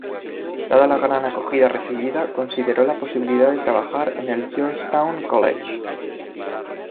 Dada la gran acogida recibida, consideró la posibilidad de trabajar en el Georgetown College.